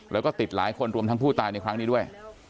แล้วก็ติดหลายคนรวมทั้งผู้ตายในครั้งนี้ด้วย